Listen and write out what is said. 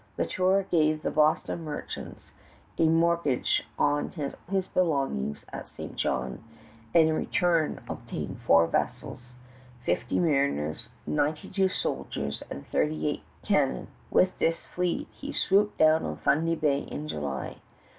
La Tour gave the Boston merchants a mortgage on all his belongings at St. John, and in return obtained four vessels, fifty mariners, ninety two soldiers, thirty eight cannon. With this fleet he swooped down on Fundy Bay in July.